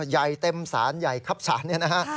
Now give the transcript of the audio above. ใหญ่เต็มสารใหญ่ครับสารเนี่ยนะฮะ